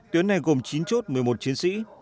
tuyến này gồm chín chốt một mươi một chiến sĩ